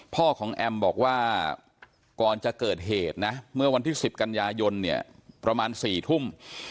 พ่อของแอมบอกว่าก่อนจะเกิดเหตุนะเมื่อวันที่๑๐กันยายนเนี่ยประมาณ๔ทุ่ม